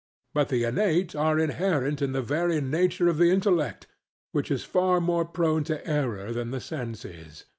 But the innate are inherent in the very nature of the intellect, which is far more prone to error than the sense is.